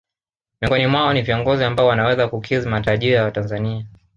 Miongoni mwao ni viongozi ambao wanaweza kukidhi matarajio ya watanzania